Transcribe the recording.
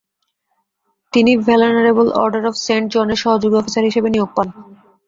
তিনি venerable order of saint জনের সহযোগী অফিসার হিসেবে নিয়োগ পান।